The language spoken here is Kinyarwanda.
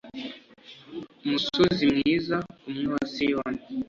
musozi mwiza umwe wa siyoni